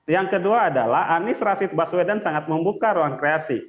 yang kedua adalah anies rashid baswedan sangat membuka ruang kreasi